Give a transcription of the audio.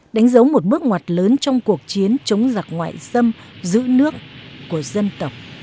đánh dấu một bước ngoặt lớn trong cuộc chiến chống giặc ngoại xâm giữ nước của dân tộc